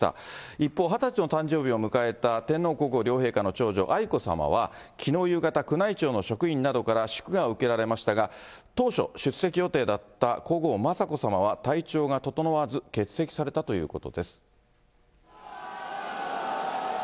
一方、２０歳の誕生日を迎えた天皇皇后両陛下の長女愛子さまは、きのう夕方、宮内庁の職員などから祝賀を受けられましたが、当初、出席予定だった皇后雅子さまは体調が整わず、欠席されたということです。